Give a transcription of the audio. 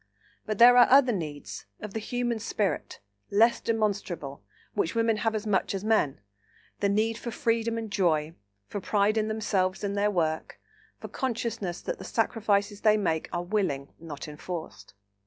But there are other needs—of the human spirit—less demonstrable, which women have as much as men: the need for freedom and joy, for pride in themselves and their work, for consciousness that the sacrifices they make are willing, not enforced.